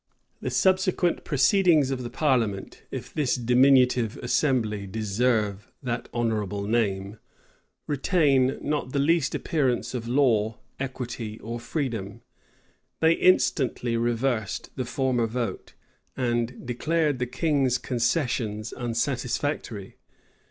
The subsequent proceedings of the parliament, if this diminutive assembly deserve that honorable name, retain not the least appearance of law, equity, or freedom. They instantly reversed the former vote, and declared the king's concessions unsatisfactory.